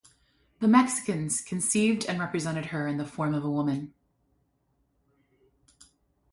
The Mexicans conceived and represented her in the form of a woman.